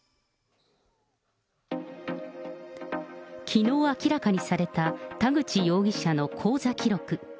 きのう明らかにされた、田口容疑者の口座記録。